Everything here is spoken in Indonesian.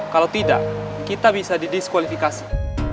kalau tidak kita bisa didiskualifikasi